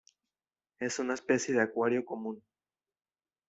Es una especie de acuario común.